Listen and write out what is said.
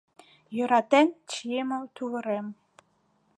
Йӧратен чийыме тувырем.